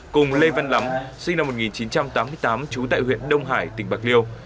cùng lê văn lắm sinh năm một nghìn chín trăm tám mươi tám trú tại huyện đông hải tỉnh bạc liêu